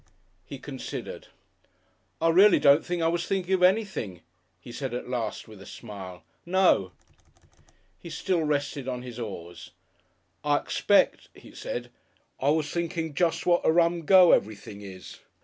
He considered. "I reely don't think I was thinking of anything," he said at last with a smile. "No." He still rested on his oars. "I expect," he said, "I was thinking jest what a Rum Go everything is.